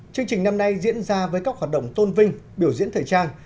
chương trình năm nay diễn ra với các hoạt động tôn vinh biểu diễn thời trang